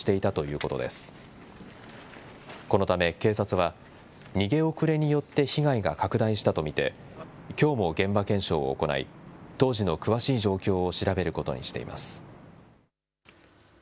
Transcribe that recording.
このため警察は、逃げ遅れによって被害が拡大したと見て、きょうも現場検証を行い、当時の詳しい状況を調べることにしています。